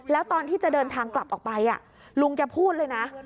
แล้วตอนที่จะเดินทางกลับออกไปลุงแกพูดเลยนะ